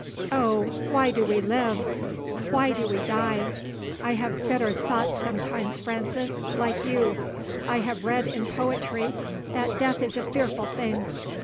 Oh, why do we live! why do we die! I have bitter thoughts sometimes, Frances, like you. I have read in poetry that death is a fearful thing.